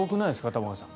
玉川さん